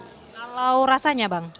kalau rasanya bang